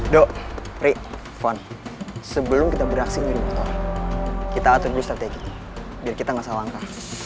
do ri fon sebelum kita beraksi ini di motor kita atur dulu strategi biar kita gak salah angka